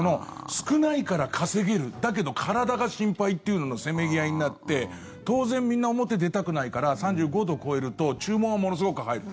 少ないから稼げるだけど体が心配っていうののせめぎ合いになって当然、みんな表出たくないから３５度を超えると注文がものすごく入る。